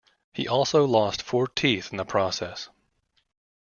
He also lost four teeth in the process.